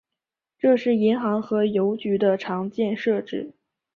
这是银行和邮局的常见设置。